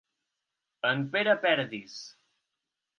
En Pere Perdis.